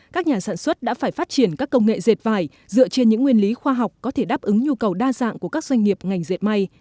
các nhà sản xuất đã phải phát triển các công nghệ dệt vải dựa trên những nguyên lý khoa học có thể đáp ứng nhu cầu đa dạng của các doanh nghiệp ngành dệt may